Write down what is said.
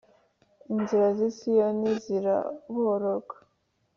Inzira z i Siyoni ziraboroga